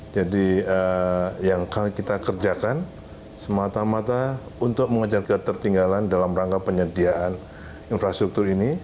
jadi yang kami kerjakan semata mata untuk mengejar ketertinggalan dalam rangka penyediaan infrastruktur ini